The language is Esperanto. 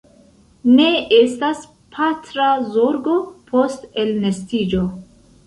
Ne estas patra zorgo post elnestiĝo.